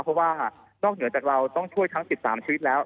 เพราะว่านอกเหนือจากเราต้องช่วยทั้ง๑๓ชีวิตแล้ว